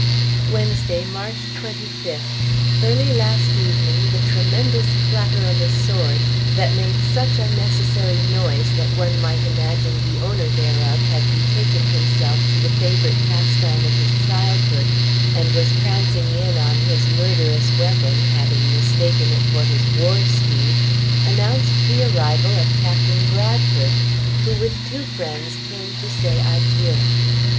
Wednesday, March 25th. Early last evening the tremendous clatter of a sword that made such unnecessary noise that one might imagine the owner thereof had betaken himself to the favorite pastime of his childhood, and was prancing in on his murderous weapon, having mistaken it for his war steed, announced the arrival of Captain Bradford, who with two friends came to say adieu.